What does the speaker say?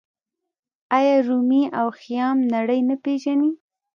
آیا رومي او خیام نړۍ نه پیژني؟